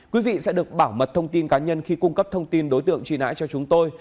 quý vị sẽ được bảo mật thông tin cá nhân khi cung cấp thông tin đối tượng truy nã cho chúng tôi